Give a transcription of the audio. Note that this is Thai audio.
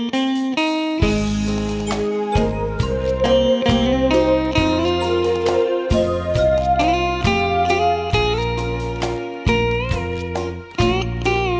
สนิทของเราเท่าไหร่